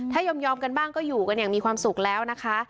ถ้ายอมกันบ้างก็อยู่กันอย่างมีความสุขแล้วนะคะ